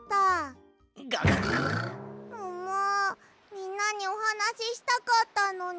みんなにおはなししたかったのに。